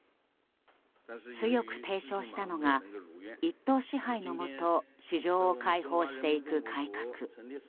強く提唱したのが一党支配のもと市場を開放していく改革。